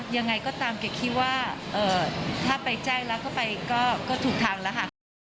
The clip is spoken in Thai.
ยังไงก็ตามเก๋คิดว่าถ้าไปแจ้งแล้วก็ไปก็ถูกทางแล้วค่ะ